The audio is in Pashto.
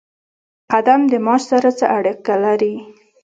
قدم د معاش سره څه اړیکه لري؟